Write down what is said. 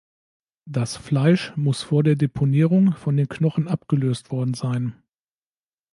Das Fleisch muss vor der Deponierung von den Knochen abgelöst worden sein.